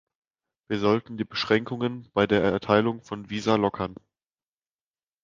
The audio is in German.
Wir sollten die Beschränkungen bei der Erteilung von Visa lockern.